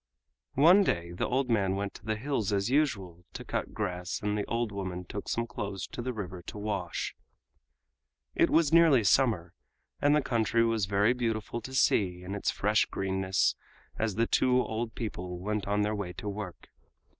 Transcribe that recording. One day the old man went to the hills as usual to cut grass and the old woman took some clothes to the river to wash. It was nearly summer, and the country was very beautiful to see in its fresh greenness as the two old people went on their way to work.